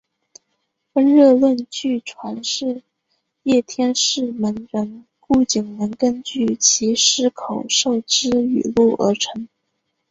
温热论据传是叶天士门人顾景文根据其师口授之语录而成。